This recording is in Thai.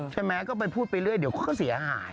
ใช่ไหมก็ไปพูดไปเรื่อยเดี๋ยวก็เสียหาย